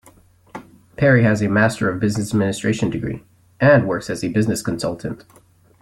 Parry has a Master of Business Administration degree, and works as a business consultant.